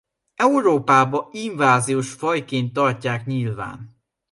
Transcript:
Európában inváziós fajként tartják nyilván.